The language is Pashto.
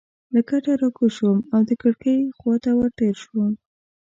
له کټه راکوز شوم او د کړکۍ خوا ته ورتېر شوم.